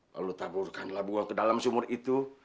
lalu taburkan labu lapu ke dalam sumur itu